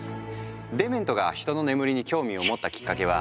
デメントが人の眠りに興味を持ったきっかけは１９５２年。